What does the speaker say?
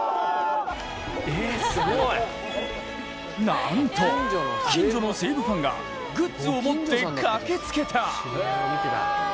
なんと、近所の西武ファンがグッズを持って駆けつけた！